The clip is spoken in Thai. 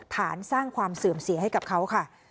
ฐานสร้างความเสื่อมเสียให้กับเขาค่ะ